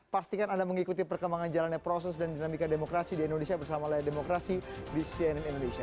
pastikan anda mengikuti perkembangan jalannya proses dan dinamika demokrasi di indonesia bersama layar demokrasi di cnn indonesia